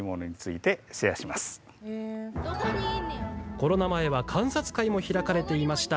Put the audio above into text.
コロナ前は観察会も開かれていました。